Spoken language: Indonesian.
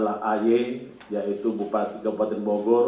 tk kepala bpkad kabupaten bogor